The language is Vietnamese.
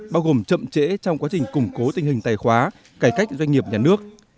bao gồm chậm trễ trong quá trình củng cố tình hình tài khóa cải cách doanh nghiệp nhà nước